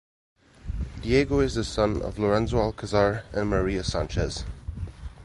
Diego is the son of Lorenzo Alcazar and Maria Sanchez.